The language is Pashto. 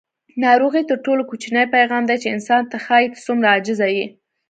ناروغي تر ټولو کوچنی پیغام دی چې انسان ته ښایي: ته څومره عاجزه یې.